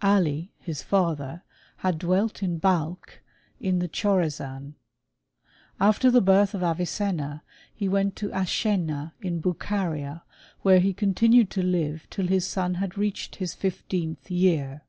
Ali, his father, had dwelt in Balkh, in the Chorazan. After the birth of Avicenna he went to Asschena in Bucharia, where he continued to live till his son had reached his fifteenth year.